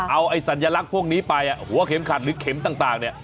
เอาไอ้สัญลักษณ์พวกนี้ไปหัวเข็มขัดหรือเข็มต่างเนี่ย